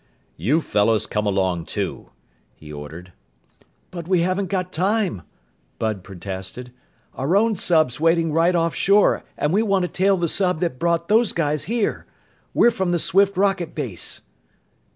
"You fellows come along too," he ordered. "But we haven't got time," Bud protested. "Our own sub's waiting right offshore and we want to tail the sub that brought those guys here! We're from the Swift rocket base."